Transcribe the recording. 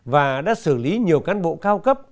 và đã xử lý nhiều cán bộ cao cấp